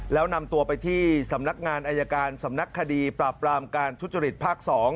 แล้วนำตัวไปที่สำนักงานอายการสำนักคดีปราบปรามการทุจริตภาค๒